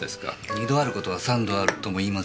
「二度ある事は三度ある」とも言いますよね？